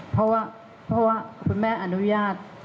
เพราะว่าคุณแม่อนุญาต